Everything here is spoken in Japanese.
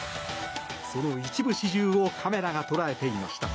その一部始終をカメラが捉えていました。